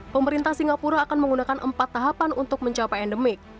pemerintah singapura akan menggunakan empat tahapan untuk mencapai endemik